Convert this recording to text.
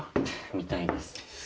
みたいです。